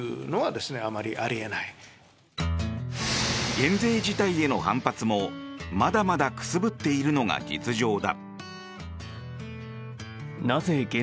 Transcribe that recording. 減税自体への反発もまだまだくすぶっているのが実情だ。